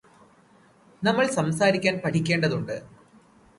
നമ്മൾ സംസാരിക്കാൻ പഠിക്കേണ്ടതുണ്ട്